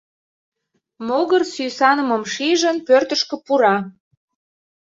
Могыр сӱсанымым шижын, пӧртышкӧ пура.